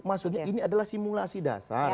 maksudnya ini adalah simulasi dasar